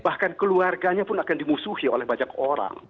bahkan keluarganya pun akan dimusuhi oleh banyak orang